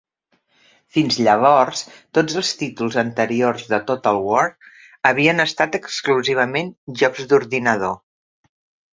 Fins llavors, tots els títols anteriors de "Total War" havien estat exclusivament jocs d'ordinador.